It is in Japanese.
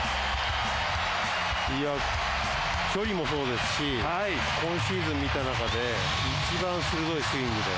距離もそうですし今シーズン見た中で一番鋭いスイングで。